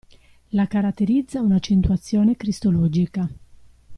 La caratterizza un'accentuazione cristologica.